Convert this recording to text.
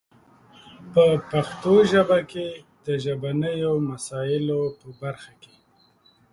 په پښتو ژبه کې د ژبنیو مسایلو په برخه کې